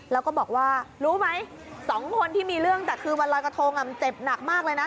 แล้วก็บอกว่ารู้ไหม๒คนที่มีเรื่องแต่คือวันรอยกระทงเจ็บหนักมากเลยนะ